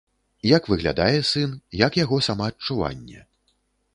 Як выглядае сын, як яго самаадчуванне?